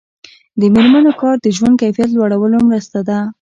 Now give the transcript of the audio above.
د میرمنو کار د ژوند کیفیت لوړولو مرسته ده.